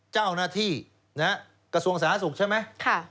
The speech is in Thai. เจ้าหน้าที่กระทรวงสาธารณสุขใช่ไหม